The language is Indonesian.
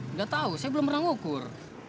nggak tahu saya belum pernah ngukur